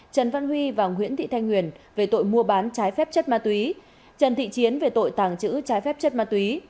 trần văn huy và nguyễn thị thanh huyền về tội mua bán trái phép chất ma túy trần thị chiến về tội tàng trữ trái phép chất ma túy